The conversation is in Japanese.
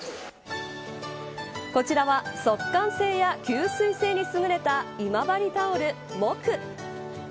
こちらは速乾性や吸水性に優れた今治タオル、ｍｏｋｕ。